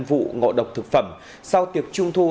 vụ ngộ độc thực phẩm sau tiệc trung thu